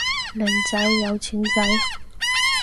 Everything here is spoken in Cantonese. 靚仔有錢仔